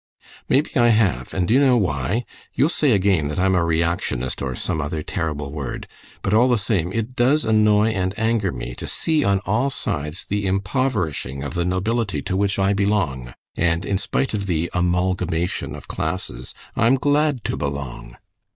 "Maybe I have. And do you know why? You'll say again that I'm a reactionist, or some other terrible word; but all the same it does annoy and anger me to see on all sides the impoverishing of the nobility to which I belong, and, in spite of the amalgamation of classes, I'm glad to belong.